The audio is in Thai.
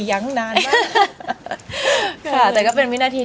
น้องตื่นเต้นอะน้องดีใจค่ะ